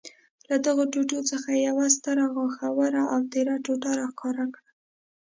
له دغو ټوټو څخه یې یوه ستره، غاښوره او تېره ټوټه را ښکاره کړل.